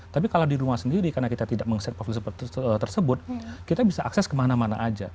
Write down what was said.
tapi kalau di rumah sendiri karena kita tidak meng set office tersebut kita bisa akses kemana mana aja